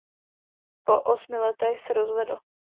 Po osmi letech se rozvedl.